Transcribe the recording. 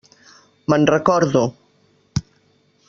Me'n recordo.